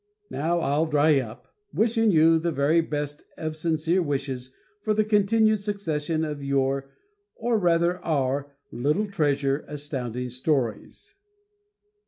Now I'll dry up, wishing you the very best of sincere wishes for the continued success of your or rather "our" little treasure, Astounding Stories.